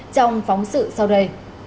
trong phóng sự sau đây